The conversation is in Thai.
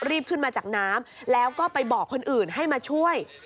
รีบขึ้นมาจากน้ำแล้วก็ไปบอกคนอื่นให้มาช่วย